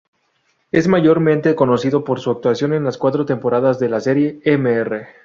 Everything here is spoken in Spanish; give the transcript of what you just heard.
Es mayormente conocida por su actuación en las cuatro temporadas de la serie "Mr.